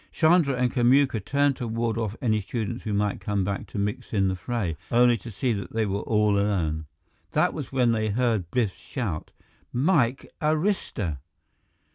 Chandra and Kamuka turned to ward off any students who might come back to mix in the fray, only to see that they were all alone. That was when they heard Biff shout: "Mike Arista!"